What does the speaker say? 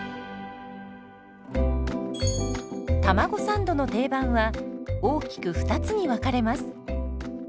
たまごサンドの定番は大きく２つに分かれます。